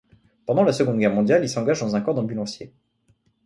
Pendant la Seconde Guerre mondiale, il s'engage dans un corps d'ambulanciers.